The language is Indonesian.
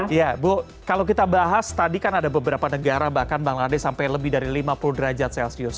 iya bu kalau kita bahas tadi kan ada beberapa negara bahkan bangladesh sampai lebih dari lima puluh derajat celcius